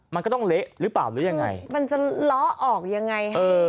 มันก็ต้องเละหรือเปล่าหรือยังไงมันจะล้อออกยังไงฮะเออ